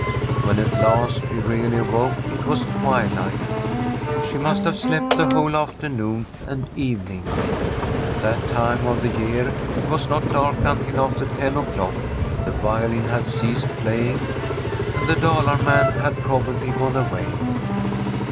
When at last she really awoke, it was twilight. She must have slept the whole afternoon and even ing. At that time of the year it was not dark until after ten o'clock. The violin had ceased playing, and the Dalar man had probably gone away.